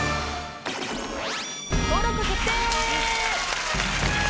登録決定！